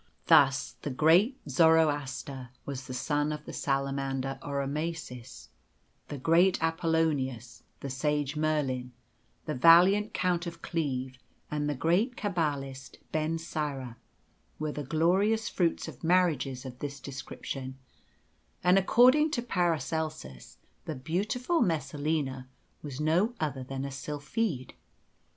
Thus, the great Zoroaster was a son of the salamander Oromasis; the great Apollonius, the sage Merlin, the valiant Count of Cleve, and the great cabbalist, Ben Syra, were the glorious fruits of marriages of this description, and according to Paracelsus the beautiful Melusina was no other than a sylphide.